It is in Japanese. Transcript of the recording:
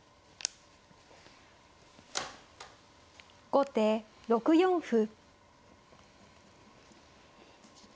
後手６四歩。